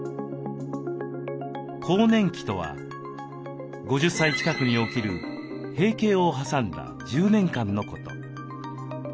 更年期とは５０歳近くに起きる閉経を挟んだ１０年間のこと。